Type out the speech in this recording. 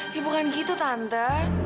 ya bukan gitu tante